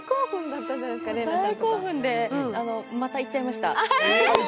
大興奮で、また行っちゃいました